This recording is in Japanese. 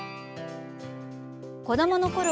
子どものころ